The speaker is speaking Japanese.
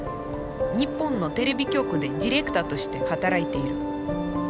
日本のテレビ局でディレクターとして働いている。